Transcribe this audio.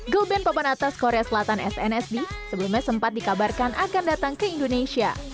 gill band papan atas korea selatan snsb sebelumnya sempat dikabarkan akan datang ke indonesia